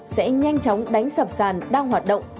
sẽ nhanh chóng đánh sập sàn đang hoạt động